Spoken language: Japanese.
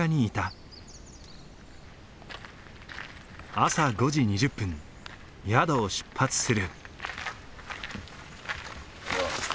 朝５時２０分宿を出発する。